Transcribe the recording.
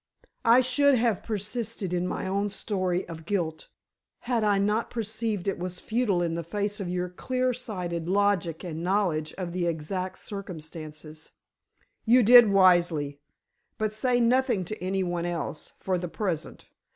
I should have persisted in my own story of guilt, had I not perceived it was futile in the face of your clear sighted logic and knowledge of the exact circumstances." "You did wisely. But say nothing to any one else, for the present.